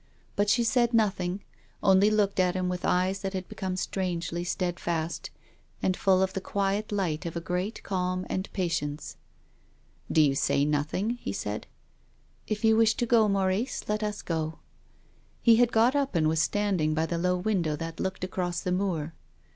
But she said nothing, only looked at him with eyes that had become strangely steadfast, and full of the quiet light of a great calm and patience. " D' you say nothing ?" he said. " If you wish to go, Maurice, let us go." He had got up and was standing by the low window that looked across the moor.